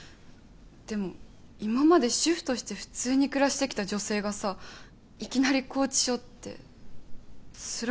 でも今まで主婦として普通に暮らしてきた女性がさいきなり拘置所ってつらそうじゃん。